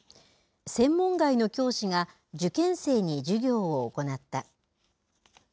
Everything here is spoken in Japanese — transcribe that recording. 専門外の教師が受験生に授業を行った。